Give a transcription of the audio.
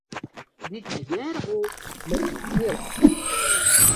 Dy't net hearre wol, moat mar fiele.